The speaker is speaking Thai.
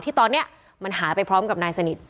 ที่ตอนนี้มันหายไปพร้อมกับนายสนิท